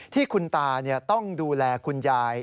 ที่คุณตาต้องดูแลคุณยาย